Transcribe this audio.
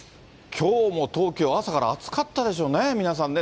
きょうも東京、朝から暑かったですよね、皆さんね。